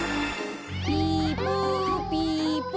ピポピポ。